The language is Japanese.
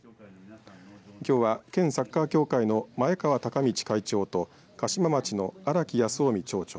きょうは県サッカー協会の前川隆道会長と嘉島町の荒木泰臣町長